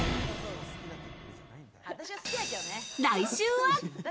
来週は。